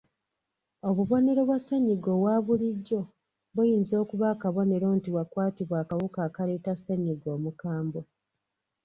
Obubonero bwa ssennyiga owa bulijjo buyinza okuba akabonero nti wakwatibwa akawuka akaleeta ssennyiga omukambwe.